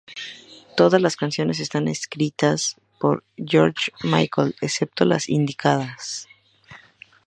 Todas las canciones están escritas por George Michael excepto las indicadas.